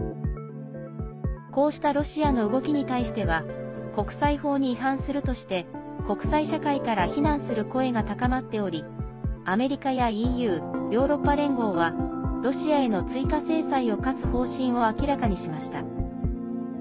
こうしたロシアの動きに対しては国際法に違反するとして国際社会から非難する声が高まっておりアメリカやＥＵ＝ヨーロッパ連合はロシアへの追加制裁を科す方針を明らかにしました。